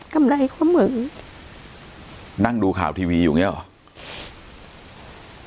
กำไรข้อมือนั่งดูข่าวทีวีอยู่อย่างเงี้หรอ